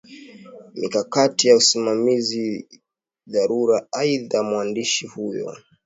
mikakati ya usimamizi dharura Aidha mwandishi huyo